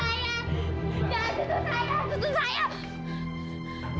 jangan sentuh saya